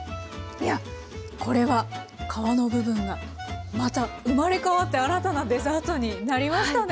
いやこれは皮の部分がまた生まれ変わって新たなデザートになりましたね。